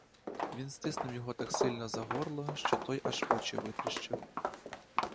Він стиснув його так сильно за горло, що той аж очі витріщив.